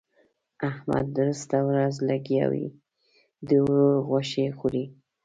احمد درسته ورځ لګيا وي؛ د ورور غوښې خوري.